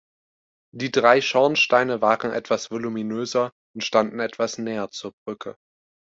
Die drei Schornsteine waren etwas voluminöser und standen etwas näher zur Brücke.